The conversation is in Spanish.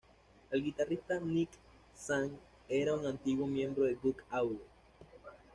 El guitarrista Nick Tsang, era un antiguo miembro de "Go: Audio.